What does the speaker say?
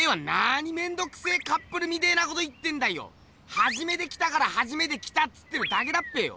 はじめて来たからはじめて来たっつってるだけだっぺよ。